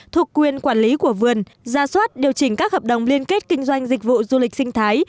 thuộc quyền quản lý của vườn ra soát điều chỉnh các hợp đồng liên kết kinh doanh dịch vụ du lịch sinh thái